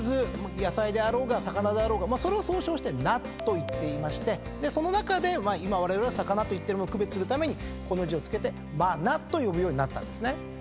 野菜であろうが魚であろうがそれを総称して「な」といっていましてその中で今われわれは魚といっているのを区別するためこの字を付けて「まな」と呼ぶようになったんですね。